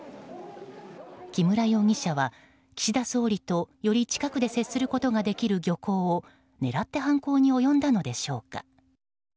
木村容疑者は、岸田総理とより近くで接することができる漁港を狙って犯行に及んだのでしょうか。